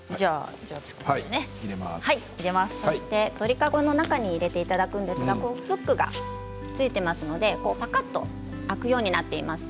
鳥籠の中に入れていただくんですがフックが付いていますのでパカっと開くようになっています。